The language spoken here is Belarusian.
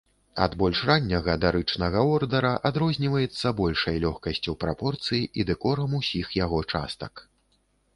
Ад больш ранняга дарычнага ордара адрозніваецца большай лёгкасцю прапорцый і дэкорам усіх яго частак.